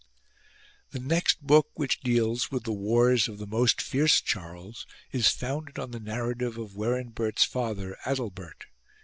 The next book which deals with the wars of the most fierce Charles is founded on the narrative of Werinbert's father, Adalbert.